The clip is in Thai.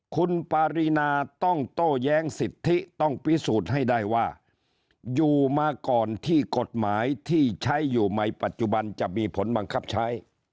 คุณปารีนาต้องโต้แย้งสิทธิต้องพิสูจน์ให้ได้ว่าอยู่มาก่อนที่กฎหมายที่ใช้อยู่ในปัจจุบันจะมีผลบังคับใช้